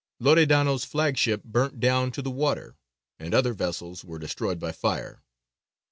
Loredano's flagship burnt down to the water, and other vessels were destroyed by fire.